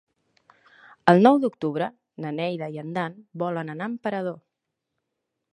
El nou d'octubre na Neida i en Dan volen anar a Emperador.